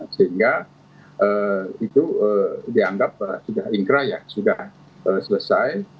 sehingga itu dianggap sudah inkrah ya sudah selesai